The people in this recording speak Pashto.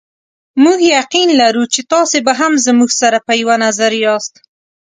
موږ یقین لرو چې تاسې به هم زموږ سره په یوه نظر یاست.